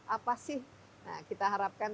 apa sih kita harapkan